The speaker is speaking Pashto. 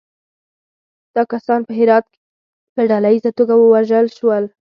دا کسان په هرات کې په ډلییزه توګه وژل شوي وو.